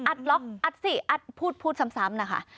ล็อกอัดสิอัดพูดซ้ำนะคะ